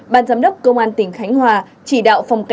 ban giám đốc công an tỉnh khánh hòa chỉ đạo phòng cảnh sát